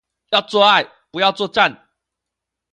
要做愛，不要作戰